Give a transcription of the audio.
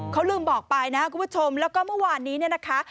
เขาลืมบอกไปนะคุณผู้ชมแล้วก็เมื่อวานนี้เนี่ยนะคะ